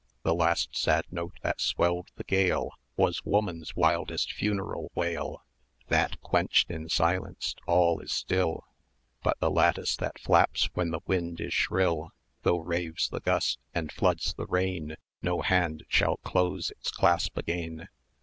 The last sad note that swelled the gale Was woman's wildest funeral wail: That quenched in silence, all is still, But the lattice that flaps when the wind is shrill: Though raves the gust, and floods the rain, No hand shall close its clasp again.